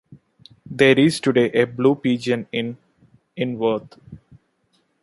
There is today a Blue Pigeon Inn in Worth.